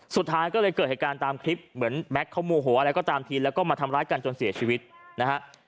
สุดท้ายก็เลยเกิดเหตุการณ์ตามคลิปเหมือนแม็กซ์เขาโมโหอะไรก็ตามทีแล้วก็มาทำร้ายกันจนเสียชีวิตนะฮะ